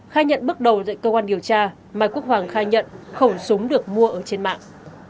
khai nhận bước đầu dạy cơ quan điều tra mai quốc hoàng khai nhận khẩu súng được mua ở trên mạng